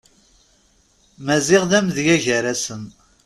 Maziɣ d amedya gar-asen.